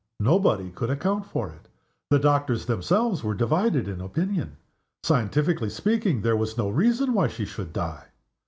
Nobody could account for it. The doctors themselves were divided in opinion. Scientifically speaking, there was no reason why she should die.